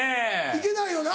行けないよな。